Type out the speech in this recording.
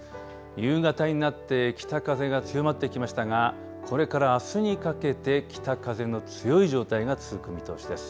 夕方になって北風が強まってきましたがこれからあすにかけて北風の強い状態が続く見通しです。